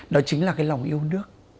đó chính là cái lòng yêu nước